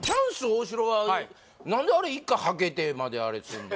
大城はなんであれ一回はけてまであれすんの？